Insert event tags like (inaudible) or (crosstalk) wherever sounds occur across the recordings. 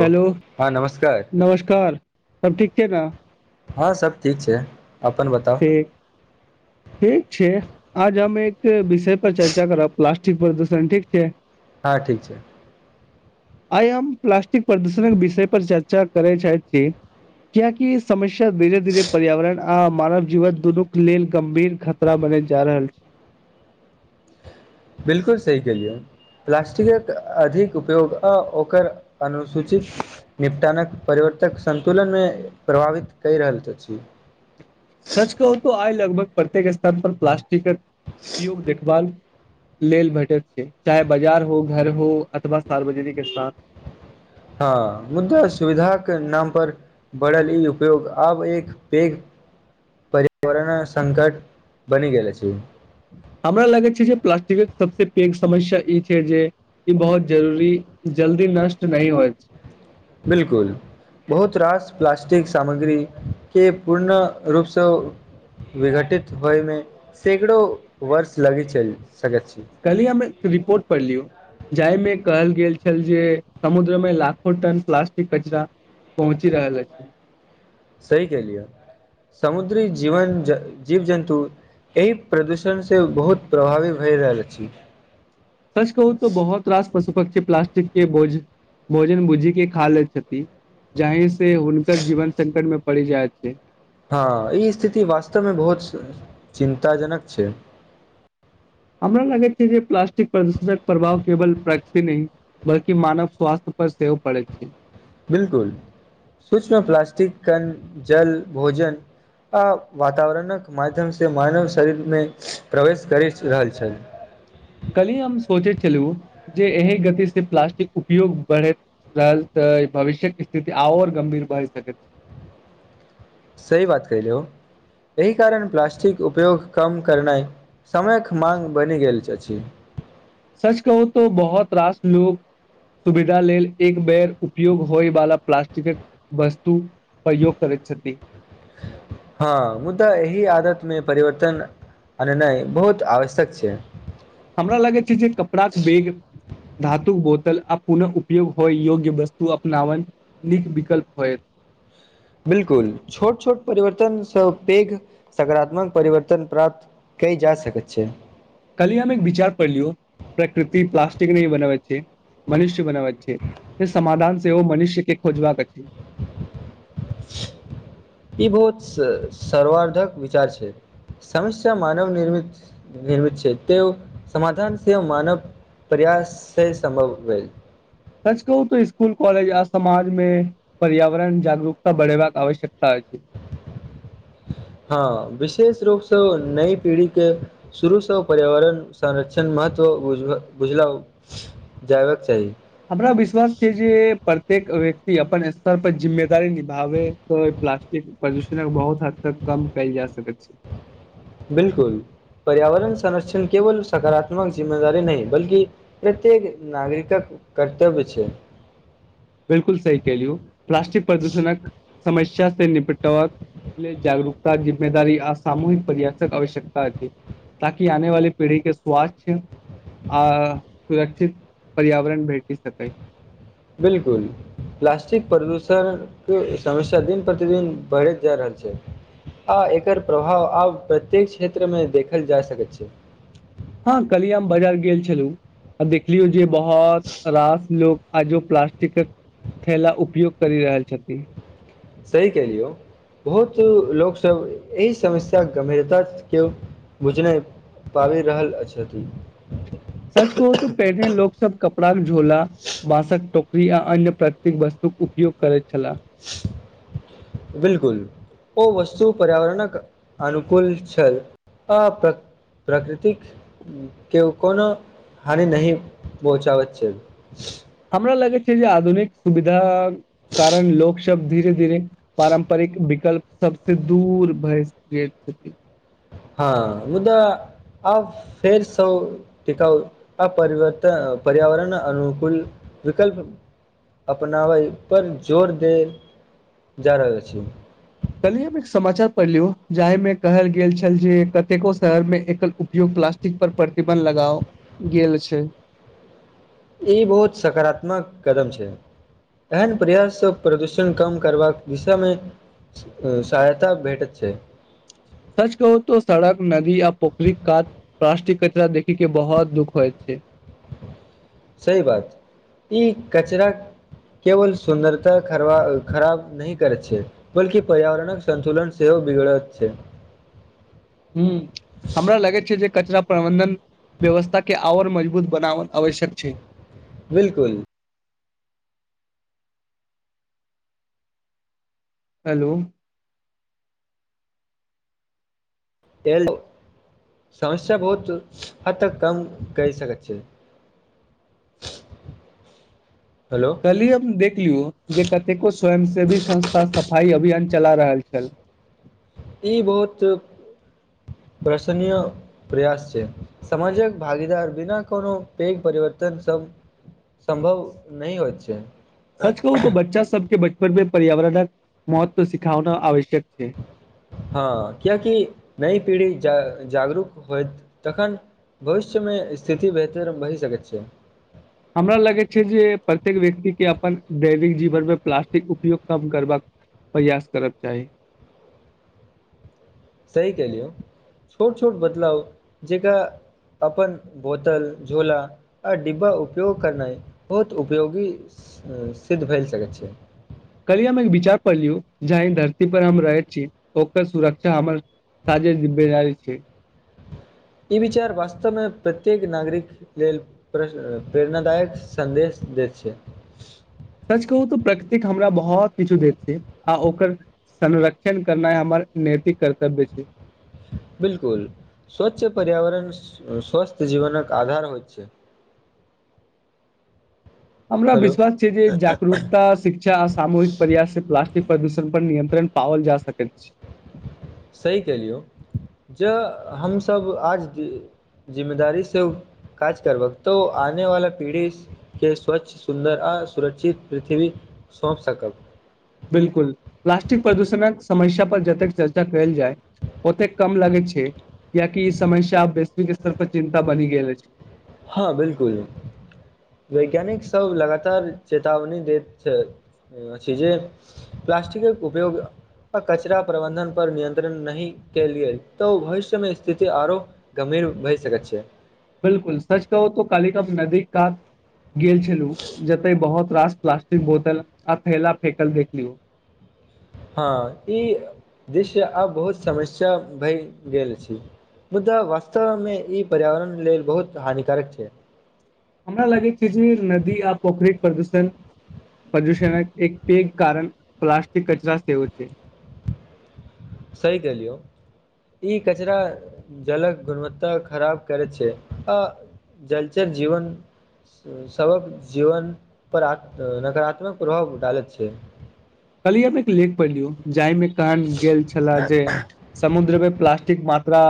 हलो, नमस्कार नमस्कार। सब ठीक छै न। हां सब ठीक छै। अपन बताउ ठीक, ठीक छै। आज हम एक विषय पर चर्चा करब, प्लास्टिक प्रदूषण, ठीक छै? हां ठीक छै। आइ हम प्लास्टिक प्रदूषण विषय पर चर्चा करै चाहैत छी, कियाकि समस्या धीरे धीरे पर्यावरण आ मानव जीवन दुनुक लेल गंभीर खतरा बनल जा रहल छै। बिलकुल सही कलियए। प्लास्टिकक अधिक उपयोग आ ओकर अनुसूचित निपटानक परिवर्तक संन्तुलनमे प्रभावित कहि रहल अछि। सच कहू तो आइ लगभग प्रत्येक स्थान पर प्लास्टिकक उपयोग देखभाल लेल भेटैत छै, चाहे बाजार हो घर हो अथवा सार्वजनिक स्थान हां, मुदा सुविधा के नाम पर बढ़ल इ उपयोग आब एक पैघ पर्यावरण संकट बनि गेल अछि। हमरा लगैत छै जे प्लास्टिकक सबस पैघ समस्या ई छै जे ई बहुत जरूरी जल्दी नष्ट नहि होइत। बिलकुल बहुत रास प्लास्टिक सामग्रीके पूर्ण रूपसँ विघटित होयमे सैकड़ो वर्ष लगै छै। कल ही हम एक रिपोर्ट पढ़लियौ जाहिमे कहल गेल छल जे समुद्रमे लाखो टन प्लास्टिक कचरा पहुँचि रहल अछि। सही कहलिए समुद्री-जीवन, जीव-जन्तु एहि प्रदूषणसँ बहुत प्रभावी भए रहल अछि। सच कहू तो बहुत रास पशु पक्षी प्लास्टिक के भोज भोजन बुझीे क खा लैत छथि‌। जाहि से हुनकर जीवन संकट मे पड़ि जाय छै। हँ ई स्थिति वास्तवमे बहुत चिन्तााजनक छै। हमरा लागैत छै जे प्लास्टिक प्रदूषणक प्रभाव केवल प्राकृति नहि बल्कि मानव स्वास्थ्य पर सेहो पड़ैत छै। बिल्कुल सूक्ष्म प्लास्टिक कन जल भोजन आ वातावरणक माध्यम से मानव शरीरमे प्रवेश करि रहल छल। कल्हि हम सोचैत छलहुँ जे एहि गतिसँ प्लास्टिक उपयोग बढ़ैत रहल तऽ भविष्यक स्थिति आओर गम्भीर बढ़ सकैत छै। सही बात कहिलौं एहि कारण प्लास्टिक उपयोग कम करनाइ समयक मांग बनि गेल अछि। सच कहू तो बहुत रास लोक सुविधा लेल एक बेर उपयोग होयवाला प्लास्टिकक वस्तु प्रयोग करैत छथि। हँ मुदा एहि आदत मे परिवर्तन आननाय बहुत आवश्यक छै। हमरा लागै छै जे कपड़ाक बैग धातुक बोतल आ पुनः उपयोग होइ योग्य वस्तु अपनावन नीक विकल्प होयत। बिल्कुल छोट-छोट परिवर्तनसँ पैघ सकारात्मक परिवर्तन प्राप्त कयल जा सकैत छै। कल ही हम एक विचार पढ़लियौ प्रकृति प्लास्टिक नहि बनाबैत छै, मनुष्य बनाबैत छै। समाधान से ओ मनुष्य के खोजबाक अछि। ई बहुत सर्वारर्धक विचार छै समस्या मानव निर्मित निर्मित छै। त समाधान से मानव प्रयास से संभव होएता। सच कहू तऽ स्कुल कॉलेज आ समाज मे पर्यावरण जागरूकता बढ़ेबाक आवश्यकता अछि। हँ विशेष रूपसँ नई पीढ़ी के शुरूसँ पर्यावरण संरक्षण महत्व बुझब बुझला जयबाक चाही। हमरा विश्वास छै जे प्रत्येक व्य क्ति अपन स्तर पर जिम्मेदार निभावे प्लास्टिक प्रदूषण बहुत हद तक कम कयल जा सकैत छै। बिल्कुल पर्यावरण संरक्षण केवल सकारात्मक जिम्मेदारी नहि बल्कि प्रत्येक नागरिकक कर्तव्य छै। बिल्कुल सही कहलियौ प्ला्टिक प्रदूषणक समस्या से निपटब लेल जागरूकता जिम्मेदारी आ सामूहिक पर्यासक आवश्यकता अछि। ताकि आने वाली पीढ़ी के स्वास्थ्य आ सुरक्षित पर्यावरण भेटि सकै। बिल्कुल प्लास्टिक प्रदूषणके समस्या दिन-प्रतिदिन बढ़ैत जा रहल छै। आ एकर प्रभाव आब प्रत्येक क्षेत्रमे देखल जा सकैत छै। हँ कल ही हम बाजार गेल छलहुँ आ देखलियौ जे बहुत रास लोक आजो प्लस्टिक ैला उपयोग कर रहल छथि। सह के लियौ बहुत लोकसभ एहि समस्या गम्भीरता के बुझ नहि पाबि रहल छथि। सच कहू तऽ पहिने लोक सब कपड़ा भ झोला बासकोक या अन्य प्रकृतिक वस्तु के उपयोग करैत छलाह। बिल्कुल ओ वस्तु पर्यावरणक अनुकूल छल त प्रकृतिक के कोनो हानि नहि पहुँचाबैत छै। हमरा लगै छै जे आधुनिक सुविधा कारण लोकसभ धीरे धीरे पारम्परिक विकल्प सबसँ दूर भस गेल छथिन हँ मुद्दादा आ फेरस टीकाउ आ परवर्तन पर्यावरण अनुकूल विकल्प अपनावय पर जोर दे जा रहल रहल छै। कल्हि हम एक समाचार पढ़ लियौ जाहिमे कहल गेल छल जे कतेको शहरमे एकल उपयोग प्लास्टिक परर प्रतिबन्ध लगाओल गेल छै। ई बहुत सकारात्मक कदम छै एहन प्रयाससँ प्रदूषण कम करबाक दिशामे सहायता भेटैत छै। सच कहू त सड़क नदी य पोखरी क प्लास्टिक कचरा देखीे बहुत दुःख हो छै। सही बात ई कचरा केवल सुन्दरता खबा खराब नहि करैत छै बल्कि पर्यावरणक सन्तुलन सेहो बिगड़ैत छै। ह हमरा लगैत छै जे कचरा प्रबंधन व्यवस्था के आओर मजबूत बना आवश्यक छै। बिलकुल। हेलो। एहि समस्या बहुत हद तक कम करि सकैत छै। हेलो कली हम देखलियौ जे कतेको स्वयंसेवी संस्था सफाई अ अभियान चला रहल छल। ई बहुत प्रसनीय प्रयास छै समाजक भागीदार बिना कोनो पैघ परिवर्तन सभ सम्भव नहिह होइत छै। सच कहूो बच्चा सबके बच्चा मे पर्यावरणक महत्व सिख आवश्यकता हँ क्यकि नहि पीढ़ी जा जागरूक होत तखन भविष्यमे स्थिति बेहतर बहि सकैत छै। हमरा लगै छै जे प्रत्येक व्यक्तिके अपन दैविक जीवनमे प्लास्टिक उपयोग कम करबाक प्रयास करब चाही। सही केलियौ छोट छोट बदलाव जेकरा अपन बोतल झोला आ डिब्बा उपयोग करनाइ बहुत उपयोगी सिद्ध भ सकैत छै। कली हम एक विचार पढ़ लियौ जाहि धरती पर हम रहैत छी ओकर सुरक्षा हमर साजे जिम्मेदारी छै। ई विचार वास्तवमे प्रत्येक नागरिक लेल प्र प्रेरणादायक सन्देश दैत छै। सच कहू तऽ प्रकृतिक हमरा बहुत किछु दैत छै आ ओकर संरक्षण करनाइ हमर नैतिक कर्तव्य छै। बिलकुल स्वच्छ पर्यावरण स्वस्थ जीवनकक आधार होइत छै। हमरा हेलो विश्वास छै जे जागरूकता शिक्षा सामूहििक प्रयास से प्लास्टिक प्रदूषण पर निियत्रण पओल जा सकै सी कह लियौ जँ हमसब आज जिम्मेदारीसँ काज करबक तऽ आनेवालला पीढ़ीके स्वच्छ सुन्दर आ सुरक्षित पृथ्वी सौंप सकब। बिलकुल प्लास्टिक प्रदूषणक समस्या पर जतेक चर्चा कयल जाय ओतेक कम लगैत छै कियकि ई समस्या वैश्विक स्तर पर चिन्ता बनि गेल अछि। हँ बिलकुल वैज्ञानिकसभ लगातार चेतावनी दैत अछि जे प्लास्टिकक उपयोग आ कचरा प्रबन्धनपर नियन्त्रण नहि केलियै तऽ भविष्यमे स्थिति आरो गम्भीर भए सकैत छै। बिलकुल सच कहू तो काली क नदी कात गेल छलु जते बहुत रास प्लास्टिक बोतल आब फैला फेकल देख लिौ। हँ ई दृश्य आब बहुत समस्या भए गेल छी मुदा वास्तवमे ई पर्यावरण लेल बहुत हानिकारक छै। हमरा लागे छै जे नदी आ पोखरि प्रदूष प्रदूषणक एक पेघ कारण प्लास्टिक कचरा सेहोव छै। सही केलियौ ई कचरा जलक गुणवत्ता खराब करैत छै आ जलचर जीवन सभक जीवनपर नकारात्मक प्रभाव ालैत छै। कल एक लेक पढ़ लियौ जाइमे। कह गेल छल जे समु्र मे प्ास्टिक (unintelligible) मात्रा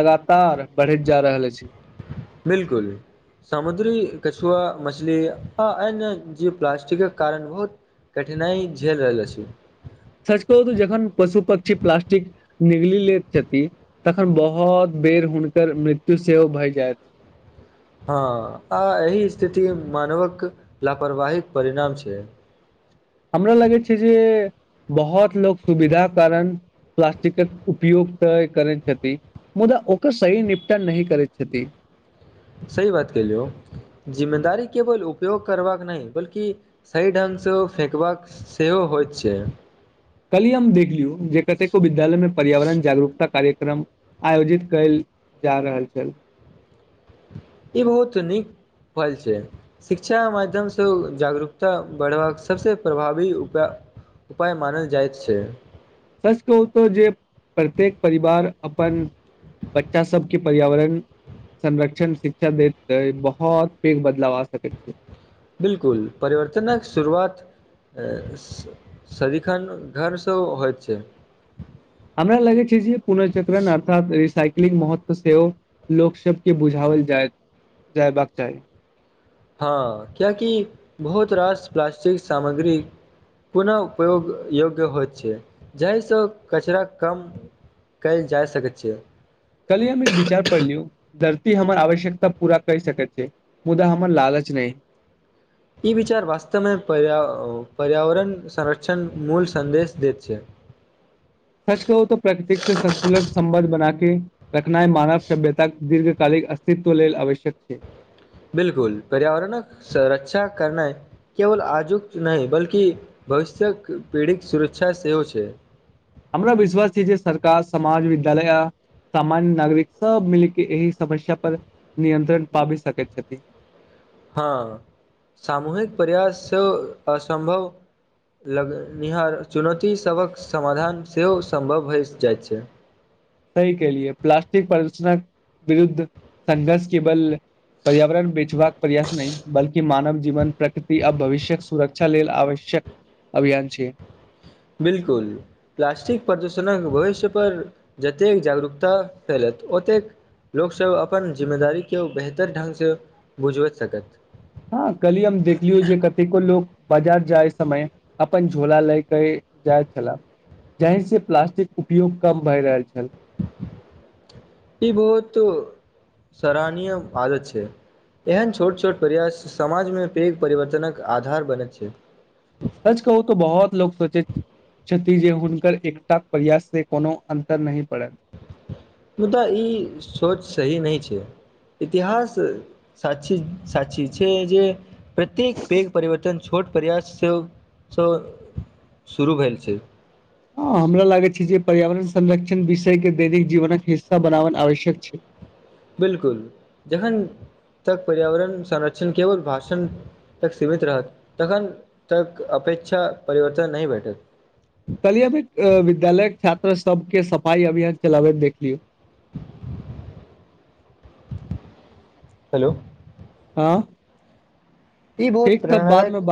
लगातार बढ़ैत जा रहल अछि। बिलकुल सामुद्री कछुआ मछली आ अन्य जे प्लास्टिकक कारण बहुत कठिनाइ झेल रहल अछि। सच कहू त जखन पशु पक्षी प्लास्टिक निगली ले छथि तखन बहुत बेर हुनकर मृत्यु सेहो भय जायत। हँ आ एहि स्थिति मानवक लापरवहि परिणाम छै। हमरा लगै छै जे बहुत लोको सुविधाक कारण प्लास्टिकके उपयोग तऽ करैत छथि मुदा ओकर सही निपटान नहि करैत छथिन। सही बात क लियौ जिम्मेदारी केवल उपयोग करबाक नहि बल्कि सही ढङ्गसँ ओ फकबाक सेहो होइत छै। कली हम देखलियौ जे कतेको। दल मे प पर्यावरण जागरूकता कार्यक। कार्यक्रम आयोजित कयल जा रहल छल। (unintelligible) ई बहुत नीक पल छै शिक्षाक माध्यमसँ ओ जागरूक। तऽ बढ़बाक सबसँ। प्रभावी उपाय मानल जाइत छै। (unintelligible) सच कहतौ जे प्रत्येक परिवार अपन बच्चा सबके पर्यावरण संरक्षण शिक्षा दे बहुत पैघ बदलाव आ सकैत छै। बिलकुल परिवर्तनक शुरुआत सदिखन घरसँ होयत छै। हमरा लगै छै जे पुनःजक्रण अर्थ। महत्व सेहो लोक सब के बुझाल जाय जयबाक चाही। हँ किएकि बहुत रास प्लास्टिक सामग्री पुनः उपयोग योग्य होइत छै जाहिसँ कचरा कम कयल जा सकैत छै। कल हममे एक विचार पलियौ। धरती हमर आवश्यकता पूरा करि सकैत छै मुदा हमर लालच नहि। ई विचार वास्तवमे पर्यावरण संरक्षण मूल सन्देश दैत छे। सच कहू त प्रकृतिक से संतुलित सं्बन्ध बना के। रखनाइ मानव सभ्यतााक दीर्घकालिक अस्तित्व लेल आवश्यक छै। बिलकुल पर्यावरणक स रक्षा करना केवल आजुक नहि बल्कि भविष्य पीड़ित सुरक्षा सेहो छै। हमरा विश्वास छै जे सरकार समाज विद्यालय सामान्य नागरिक सब मिलके एहि समस्या पर नियंत्रण पाबि सकैत छथिन। हँ सामूहिक प्रयास सेहो असम्भव लगनिहार चुनौतीसभक समाधान सेहो सम्भव भइ जाइत छै। सी के लि प्लास्टिक प्रदूषणक विरुद्ध संघर्ष केवल सही कहलीए प्लास्टिक विरुद्ध संघर्ष केवल पर्यावरण बेचबाक प्रयास नहि बल्कि मानव जीवन प्रकृति आ भविष्य सुरक्षा लेल आवश्यक अभियान छे। बिलकुल प्लास्टिक प्रदूषणक भविष्य परर जतेक जागरूकता फैलत ओतेक लोकसभ अपन जिम्मेदारीक के बेहतर ढंगसँ बुझबैत सकत। हँ कली हम देखलियौ जे कतेको लोको। बाजार जाय समय अपन झोला लय के जाय छला जाहि से प्लास्टिक उपयोग कम भए रहल छल। ई बहुत सराहनीय आदत छै एहन छोट छोट प्रयास समाजमे पैघ परिवर्तनक आधार बनैत छै। सच कहू तऽ बहुत लोक सोचैत छथिन जे हुनकर एकटा प्रयास से कोनो अन्तर नहि पड़त। मुदा ई सोच सही नहि छै। इतिहास। साक्षी- साक्षी छै जे प्रत्येक पैघ परिवर्तन छोट प्रयाससँसँ शुरू भेल छै। ह हमरा लागै छै जे पर्यावरण संरक्षण विषयके दैनिक जीवनक हिस्सा बनाबन आवश्यक छै। बिलकुल जखन तक पर्यावरण संरक्षण केवल भाषण तक सीमित रहत तखन तक अपेक्षा परिवर्तन नहि भेटत। कलिय अमे एक विद्यालय छात्र। सबके सफाइ अभियान चलाबे देखलियौ। हेलो। (unintelligible) आँ। (unintelligible) ई बहुत प्रेरणादायक। (unintelligible)